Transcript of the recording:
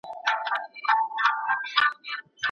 موټروان وویل چي پنډي په اوږه باندي ګڼ توکي راوړي.